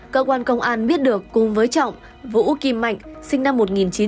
cơ quan công an biết được cùng với trọng vũ kim mạnh sinh năm một nghìn chín trăm tám mươi